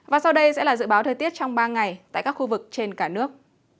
và sau đây sẽ là dự báo thời tiết trong ba ngày tại các khu vực trên cả nước